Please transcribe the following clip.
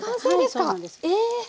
はいそうなんです。